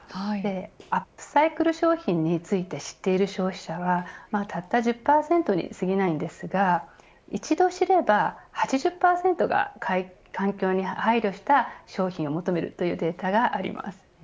アップサイクル商品について知っている消費者はたった１０％に過ぎないんですが一度知れば８０％が環境に配慮した商品を求めるというデータがあります。